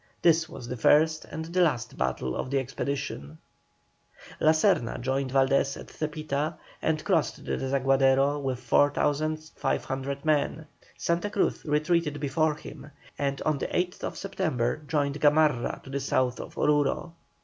This was the first and last battle of the expedition. La Serna joined Valdés at Zepita, and crossed the Desaguadero with 4,500 men. Santa Cruz retreated before him, and on the 8th September joined Gamarra to the south of Oruro.